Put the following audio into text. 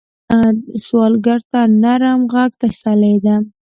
سوالګر ته نرم غږ تسلي ده